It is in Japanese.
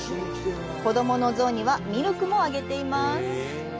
子供のゾウにはミルクもあげています。